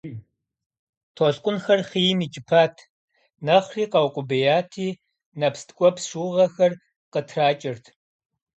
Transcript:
Толъкъунхэр хъийм икӀыпат, нэхъри къэукъубеяти, нэпс ткӀуэпс шыугъэхэр къытракӀэрт.